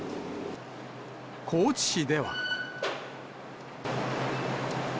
高知市では。